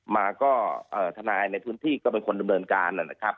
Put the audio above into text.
มาก็ทนายในพื้นที่ก็เป็นคนดำเนินการนะครับ